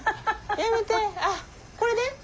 やめてあっこれで。